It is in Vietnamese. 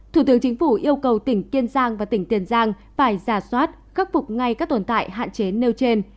thủ tướng chính phủ yêu cầu tỉnh kiên giang và tỉnh tiền giang phải giả soát khắc phục ngay các tồn tại hạn chế nêu trên